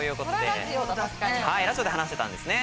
ラジオで話してたんですね。